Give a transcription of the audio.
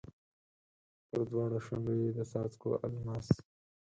پر دواړو شونډو یې د څاڅکو الماس